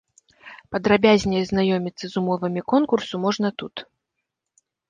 Падрабязней азнаёміцца з умовамі конкурсу можна тут.